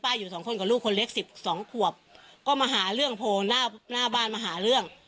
อยู่สองคนกับลูกคนเล็กสิบสองขวบก็มาหาเรื่องโพลหน้าหน้าบ้านมาหาเรื่อง